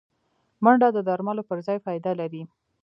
منډه د درملو پر ځای فایده لري